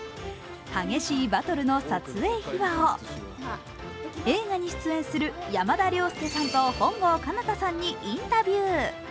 激しいバトルの撮影秘話を、映画に出演する山田涼介さんと本郷奏多さんにインタビュー。